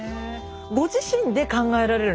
ご自身で考えられるんですか